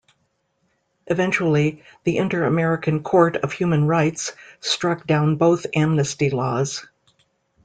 Eventually, the Inter-American Court of Human Rights struck down both amnesty laws.